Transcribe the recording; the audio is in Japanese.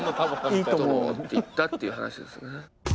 「いいとも」って言ったっていう話ですね。